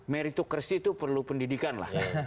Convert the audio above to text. mary to kirstie itu perlu pendidikan lah